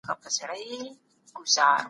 څوک غواړي سفیر په بشپړ ډول کنټرول کړي؟